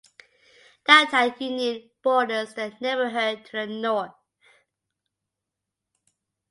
Downtown Union borders the neighborhood to the north.